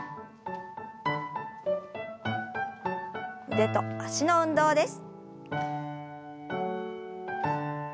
腕と脚の運動です。